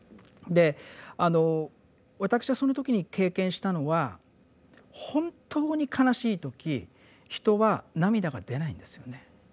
であの私はその時に経験したのは本当に悲しい時人は涙が出ないんですよね。